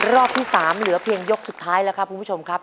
รอบที่๓เหลือเพียงยกสุดท้ายแล้วครับคุณผู้ชมครับ